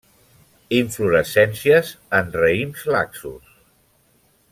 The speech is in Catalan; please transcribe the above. Inflorescències en raïms laxos.